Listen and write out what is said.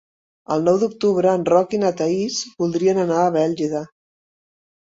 El nou d'octubre en Roc i na Thaís voldrien anar a Bèlgida.